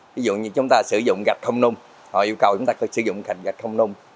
ví dụ như chúng ta sử dụng gạch không nung họ yêu cầu chúng ta có sử dụng gạch không nung